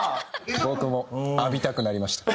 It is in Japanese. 僕も浴びたくなりました。